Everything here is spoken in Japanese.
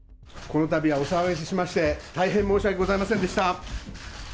このたびはお騒がせしまして、大変申し訳ございませんでした。